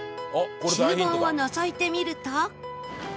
厨房をのぞいてみると